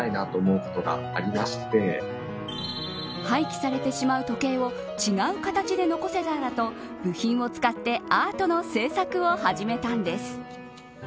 廃棄されてしまう時計を違う形で残せたらと部品を使ってアートの制作を始めたんです。